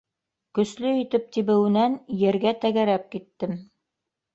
— Көслө итеп тибеүенән ергә тәгәрәп киттем.